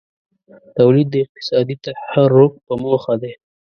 تولید د اقتصادي تحرک په موخه دی.